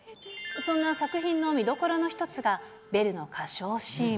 そんな作品の見どころの一つが、ベルの歌唱シーン。